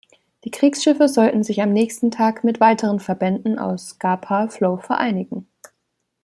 Die Kriegsschiffe sollten sich am nächsten Tag mit weiteren Verbänden aus Scapa Flow vereinigen.